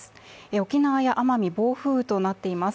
沖縄や奄美、暴風雨となっています。